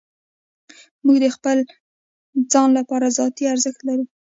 موږ د خپل ځان لپاره ذاتي ارزښت لرو.